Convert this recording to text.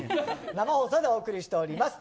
生放送でお送りしています。